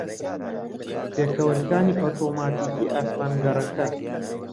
پێکەوەلکانی ئۆتۆماتیکیی ئاسمانگەڕەکە